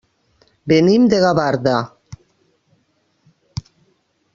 Venim de Gavarda.